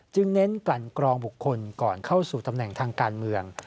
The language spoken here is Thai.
เน้นกลั่นกรองบุคคลก่อนเข้าสู่ตำแหน่งทางการเมือง